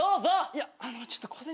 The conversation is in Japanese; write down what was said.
いやあのちょっと小銭。